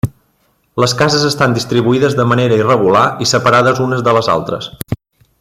Les cases estan distribuïdes de manera irregular i separades unes de les altres.